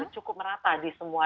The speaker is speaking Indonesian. cukup merata di semua